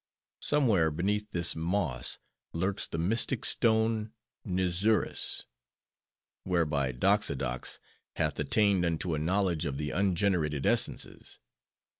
Somewhere, beneath this moss, lurks the mystic stone Mnizuris; whereby Doxodox hath attained unto a knowledge of the ungenerated essences.